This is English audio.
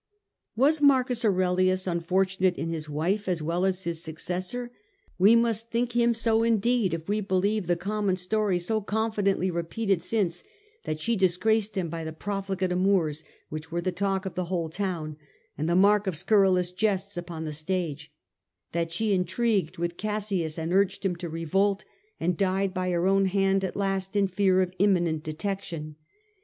Was M. Aurelius unfortunate in his wife as well as his successor ? We must think him so indeed if we believe the common story, so confidently repeated .,,,., I • t 1 Was he also since, that she disgraced him by the profligate in his wife amours which were the talk of the whole town and the mark of scurrilous jests upon the stage ; that she intrigued with Cassius and urged him to revolt ; and died by her own hand at last, in fear of imminent detection.